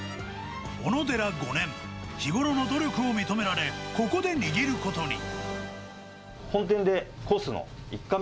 おのでら５年、日頃の努力を認められ、ここで握ることに。